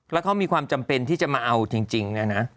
แล้วเขามีความจำเป็นที่จะมาเอาจริงเนี่ยนะ